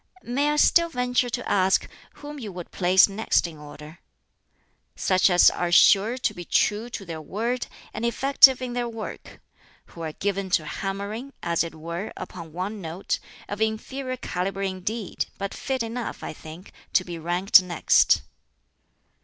'" "May I still venture to ask whom you would place next in order?" "Such as are sure to be true to their word, and effective in their work who are given to hammering, as it were, upon one note of inferior calibre indeed, but fit enough, I think, to be ranked next."